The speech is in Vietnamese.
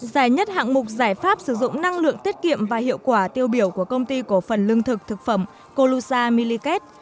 giải nhất hạng mục giải pháp sử dụng năng lượng tiết kiệm và hiệu quả tiêu biểu của công ty cổ phần lương thực thực phẩm colusa millicat